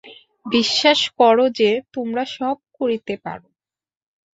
বিশ্বাস কর যে তোমরা সব করিতে পার।